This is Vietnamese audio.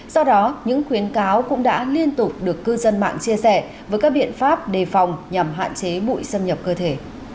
do đó những khuyến cáo cũng đã liên tục được cư dân mạng chia sẻ với các biện pháp đề phòng nhằm hạn chế bụi xâm nhập cơ thể